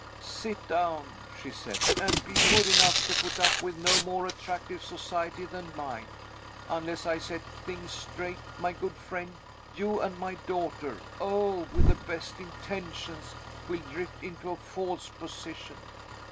"Sit down," she said; "and be good enough to put up with no more attractive society than mine. Unless I set things straight, my good friend, you and my daughter oh, with the best intentions! will drift into a false position.